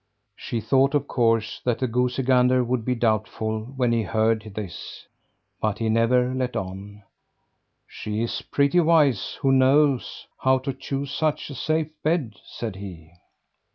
She thought, of course, that the goosey gander would be doubtful when he heard this, but he never let on. "She is pretty wise who knows how to choose such a safe bed," said he.